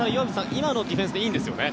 今のディフェンスでいいんですよね。